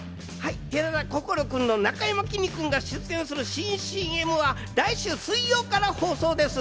寺田心君となかやまきんに君が出演する新ＣＭは来週水曜日から放送です。